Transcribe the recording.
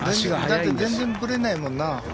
だって全然ぶれないもんな。